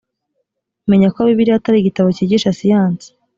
menya ko bibiliya atari igitabo cyigisha siyansi